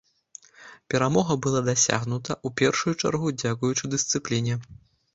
Перамога была дасягнута, у першую чаргу, дзякуючы дысцыпліне.